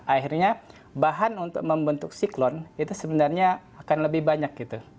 akhirnya bahan untuk membentuk siklon itu sebenarnya akan lebih banyak gitu